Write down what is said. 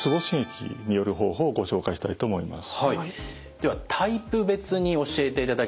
ではタイプ別に教えていただきます。